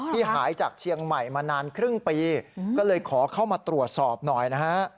หายจากเชียงใหม่มานานครึ่งปีก็เลยขอเข้ามาตรวจสอบหน่อยนะฮะ